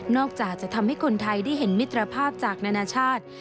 อกจากจะทำให้คนไทยได้เห็นมิตรภาพจากนานาชาติ